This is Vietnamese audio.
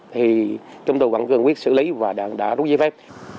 thì chúng tôi vẫn cường quyết xử lý và đã rút giấy phép